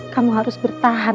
kamu harus bertahan